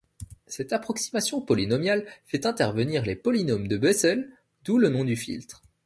Cette approximation polynôminale fait intervenir les polynômes de Bessel, d'où le nom du filtre.